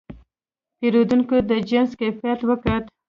پیرودونکی د جنس کیفیت وکت.